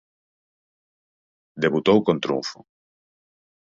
Debutou con triunfo.